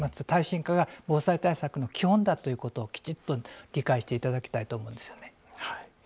耐震化が防災対策の基本だということをきちっと理解していただきたいと思うんですよね。